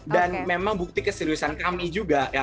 dan memang bukti keseriusan kami juga